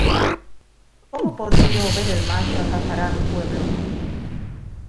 ¿cómo podré yo ver el mal que alcanzará á mi pueblo?